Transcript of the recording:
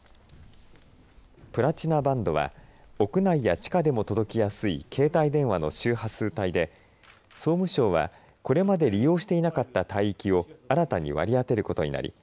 プラチナバンドは屋内や地下でも届きやすい携帯電話の周波数帯で総務省は、これまで利用していなかった帯域を新たに割り当てることになり